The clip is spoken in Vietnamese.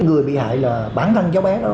người bị hại là bản thân cháu bé đó